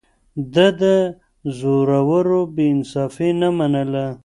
ده د زورورو بې انصافي نه منله.